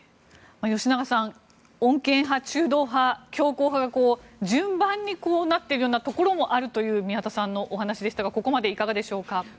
吉永さん穏健派、中道派、強硬派が順番にこうなっているところもあるという宮田さんのお話でしたがここまでいかがでしょうか？